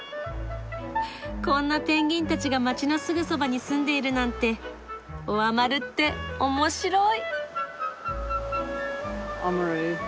こんなペンギンたちが街のすぐそばに住んでいるなんてオアマルっておもしろい。